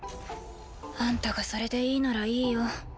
あんたがそれでいいならいいよ。